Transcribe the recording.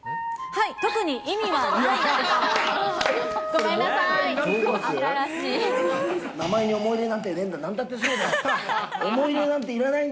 特に意味はない。